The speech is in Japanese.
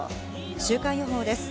週間予報です。